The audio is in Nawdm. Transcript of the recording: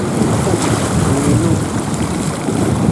Wiilung.